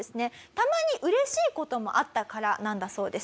たまにうれしい事もあったからなんだそうです。